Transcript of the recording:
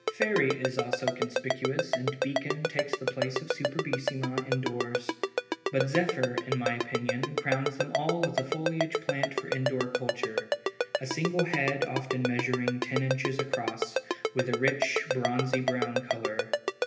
Fairy is also conspicuous, and Beacon takes the place of Superbissima indoors, but Zephyr, in my opinion crowns them all as a foliage plant for indoor culture; a single head often measuring ten inches across, with a rich bronzy brown color.